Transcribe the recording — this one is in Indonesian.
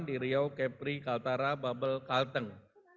di rio kepri kaltara babel kalteng